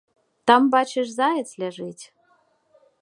Там, бачыш, заяц ляжыць.